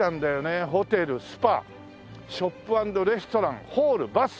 ホテルスパショップアンドレストランホールバス。